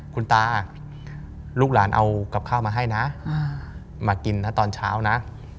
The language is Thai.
คุณตาลูกหลานเอากับข้าวมาให้นะมากินนะตอนเช้านะ